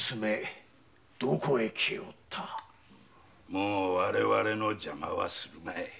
もう我々の邪魔はすまい。